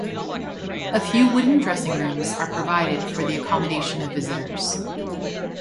A few wooden dressing-rooms are provided for the accommodation of visitors.